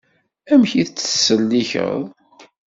Amek i tt-tettsellikeḍ?